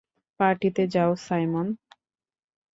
পার্টিতে যাও, সাইমন।